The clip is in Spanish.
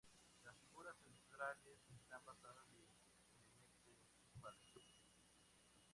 Las figuras centrales están basadas libremente en sus padres.